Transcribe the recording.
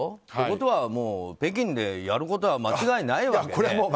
ってことは、北京でやることは間違いないわけで。